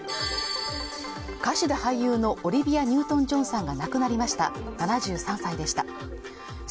歌手で俳優のオリビア・ニュートン＝ジョンさんが亡くなりました７３歳でした